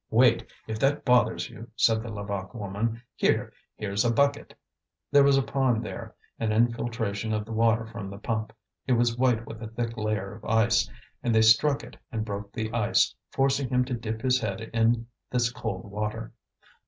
"Wait, if that bothers you, said the Levaque woman. "Here! here's a bucket!" There was a pond there, an infiltration of the water from the pump. It was white with a thick layer of ice; and they struck it and broke the ice, forcing him to dip his head in this cold water.